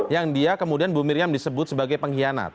yang dia kemudian bu miriam disebut sebagai pengkhianat